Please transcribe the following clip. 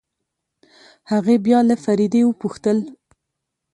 هغې بيا له فريدې وپوښتل.